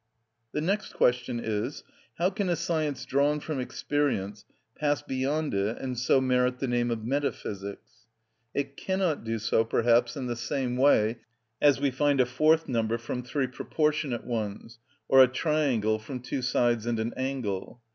The next question is: How can a science drawn from experience pass beyond it and so merit the name of metaphysics? It cannot do so perhaps in the same way as we find a fourth number from three proportionate ones, or a triangle from two sides and an angle.